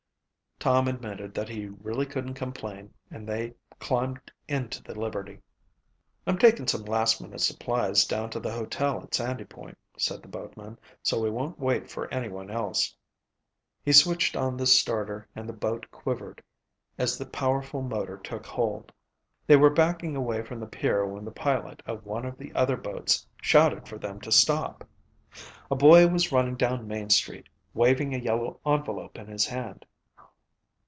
Tom admitted that he really couldn't complain and they climbed into the Liberty. "I'm takin' some last minute supplies down to the hotel at Sandy Point," said the boatman, "so we won't wait for anyone else." He switched on the starter and the boat quivered as the powerful motor took hold. They were backing away from the pier when the pilot of one of the other boats shouted for them to stop. A boy was running down Main Street, waving a yellow envelope in his hand.